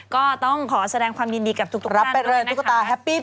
ก็ต้องขอแสดงความยินดีกับทุกท่านด้วยนะครับแฮปปี้พลิกทุก